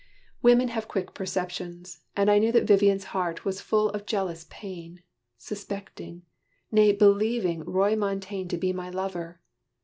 Women have quick perceptions: and I knew That Vivian's heart was full of jealous pain, Suspecting nay believing Roy Montaine To be my lover.